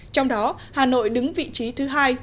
trong đó hà nội đứng vị trí thứ hai